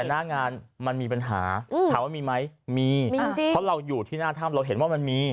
แต่หน้างานมันมีปัญหาถามว่ามีไหมมีมีจริงเพราะเราอยู่ที่หน้าถ้ำเราเห็นว่ามันมี